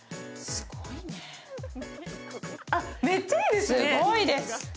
すごいです。